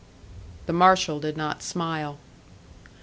The marshal did not smile.